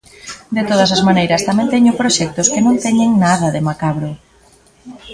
De todas as maneiras tamén teño proxectos que non teñen nada de macabro.